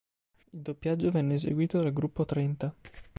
Il doppiaggio venne eseguito dal Gruppo Trenta.